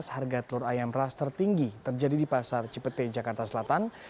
harga telur ayam ras tertinggi terjadi di pasar cipete jakarta selatan